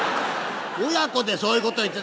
「親子でそういうこと言って！？